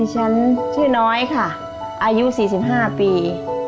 ดิฉันชื่อน้อยค่ะอายุ๔๕ปี